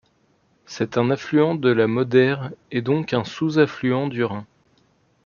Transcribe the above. C'est un affluent de la Moder et donc un sous-affluent du Rhin.